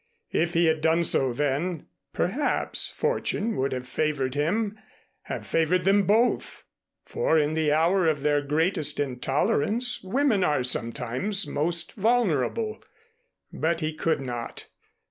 If he had done so then, perhaps fortune would have favored him have favored them both; for in the hour of their greatest intolerance women are sometimes most vulnerable. But he could not.